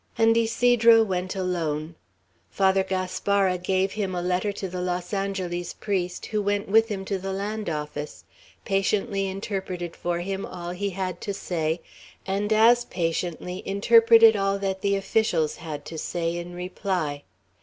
And Ysidro went alone. Father Gaspara gave him a letter to the Los Angeles priest, who went with him to the land office, patiently interpreted for him all he had to say, and as patiently interpreted all that the officials had to say in reply.